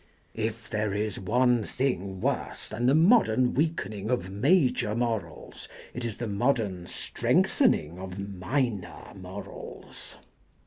If there is one thing worse than the modern weakening of major morals it is the modern strengthening of minor morals.